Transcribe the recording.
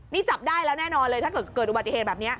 นี่จับได้แล้วแน่นอนเลยถ้าเกิดเกิดอุบัติเหตุแบบนี้